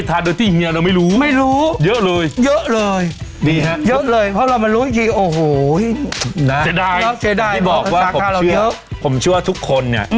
ผมเชื่อทุกคนนะ